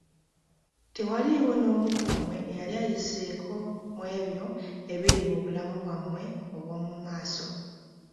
Tewaliiwo n'omu ku mmwe eyali ayiseeko mu ebyo ebiri mu bulamu bwammwe obw'omu maaso.